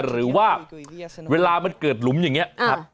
หรือว่าเวลามันเกิดหลุมอย่างนี้ครับ